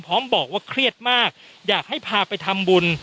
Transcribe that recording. พร้อมบอกว่าเครียดมากอยากให้พาไปทำบุญ